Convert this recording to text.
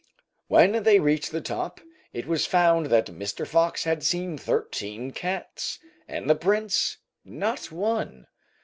When they reached the top, it was found that Mr. Fox had seen thirteen cats, and the Prince not one.